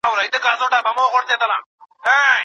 زه به تر بل کال پورې د انار یو نوی بڼ جوړ کړم.